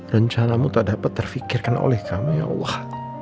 rencanamu tak dapat terfikirkan oleh kami ya allah